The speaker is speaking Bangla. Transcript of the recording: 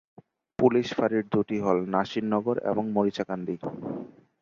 পুলিশ ফাঁড়ি দুটি হল- নাসিরনগর এবং মরিচাকান্দি।